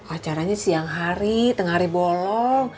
acaranya siang hari tengah hari bolong